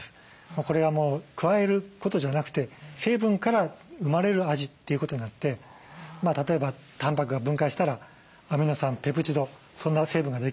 これは加えることじゃなくて成分から生まれる味ということになって例えばたんぱくが分解したらアミノ酸ペプチドそんな成分ができる。